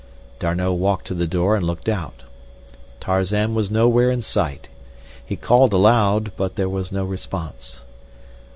D'Arnot walked to the door and looked out. Tarzan was nowhere in sight. He called aloud but there was no response.